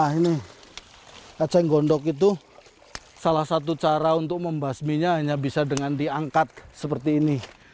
nah ini eceng gondok itu salah satu cara untuk membasminya hanya bisa dengan diangkat seperti ini